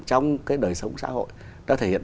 trong cái đời sống xã hội nó thể hiện